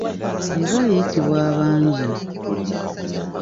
Eba eyitibwa abangi.